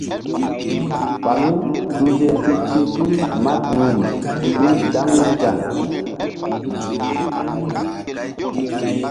Falu suhze si ti̧h tul maduhri ɓil gaynzaŋ.